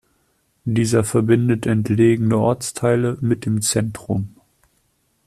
Dieser verbindet entlegene Ortsteile mit dem Zentrum.